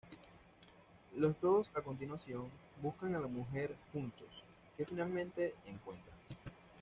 Los dos a continuación, buscan a la mujer juntos, que finalmente encuentran.